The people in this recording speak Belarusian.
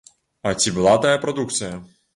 А ці была тая прадукцыя?